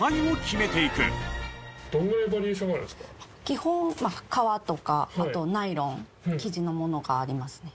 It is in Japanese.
基本革とかあとナイロン生地のものがありますね。